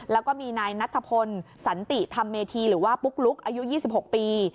แล้วก็มีนายนัทพลสันติธรรมเมธีหรือว่าปุ๊กลุ๊กอายุ๒๖ปี